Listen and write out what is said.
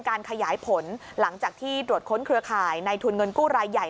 ขยายผลหลังจากที่ตรวจค้นเครือข่ายในทุนเงินกู้รายใหญ่